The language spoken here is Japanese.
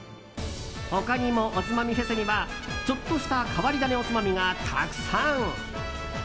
他にもおつまみフェスにはちょっとした変わり種おつまみがたくさん。